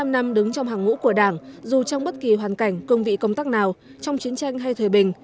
bảy mươi năm năm đứng trong hàng ngũ của đảng dù trong bất kỳ hoàn cảnh cương vị công tác nào trong chiến tranh hay thời bình